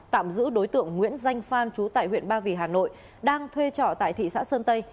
tạm giữ đối tượng nguyễn danh phan chú tại huyện ba vì hà nội đang thuê trọ tại thị xã sơn tây